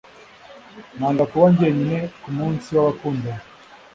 Nanga kuba jyenyine ku munsi wabakundana